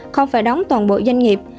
không phải đóng toàn bộ doanh nghiệp